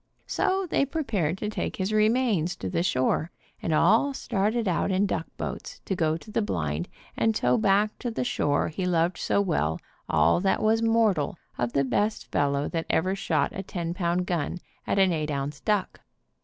So they prepared to bring his re mains to the shore, and all started out in duck boats to go to the blind and tow back to the shore he loved so well all that was mortal of the best fellow that ever shot a ten pound gun at an eight ounce duck.